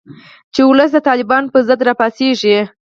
چې ولس د طالبانو په ضد راپاڅیږي